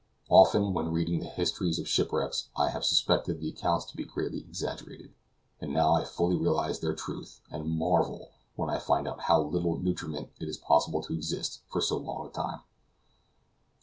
Often, when reading the histories of shipwrecks, I have suspected the accounts to be greatly exaggerated; but now I fully realize their truth, and marvel when I find on how little nutriment it is possible to exist for so long a time.